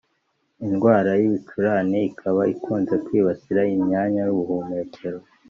Indwara y’ibicurane ikaba ikunze kwibasira imyanya y’ubuhumekero